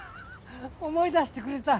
思い出してくれた？